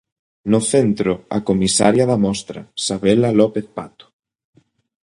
No centro, a comisaria da mostra, Sabela López Pato.